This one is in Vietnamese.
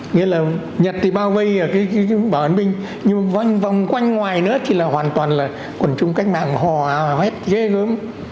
nghĩa là nhật thì bao vây ở cái bảo an binh nhưng văn vòng quanh ngoài nữa thì là hoàn toàn là quần chúng cách mạng hò vét ghê gớm